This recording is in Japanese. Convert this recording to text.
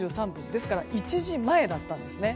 ですから１時前だったんです。